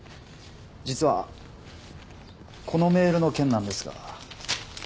実はこのメールの件なんですが。